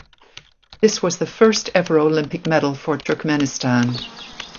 This was the first ever Olympic medal for Turkmenistan.